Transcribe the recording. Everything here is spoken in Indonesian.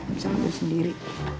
bisa ngurus sendiri